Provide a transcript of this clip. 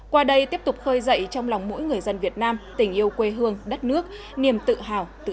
qua đây tiếp tục khơi dậy trong lòng mỗi người dân việt nam tình yêu quê hương đất nước niềm tự hào tự tôn dân tộc